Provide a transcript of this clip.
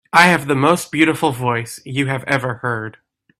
I have the most beautiful voice you have ever heard.